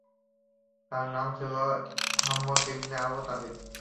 তার নাম ছিল আহমদ ইবন আবু তালিব।